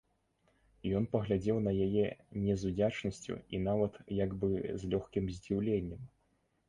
Ён паглядзеў на яе не з удзячнасцю і нават як бы з лёгкім здзіўленнем.